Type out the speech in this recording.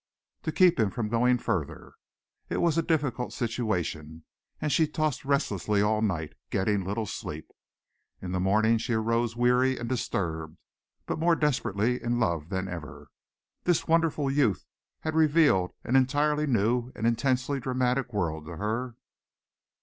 To keep him from going further. It was a difficult situation and she tossed restlessly all night, getting little sleep. In the morning she arose weary and disturbed, but more desperately in love than ever. This wonderful youth had revealed an entirely new and intensely dramatic world to her.